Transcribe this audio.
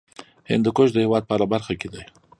هندوکش د هېواد په هره برخه کې دی.